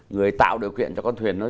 người tạo điều kiện cho con thuyền nó ra